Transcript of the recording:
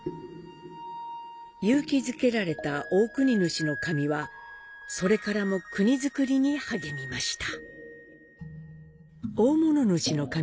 勇気づけられた大国主神はそれからも国造りに励みました。